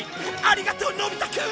ありがとうのび太くん！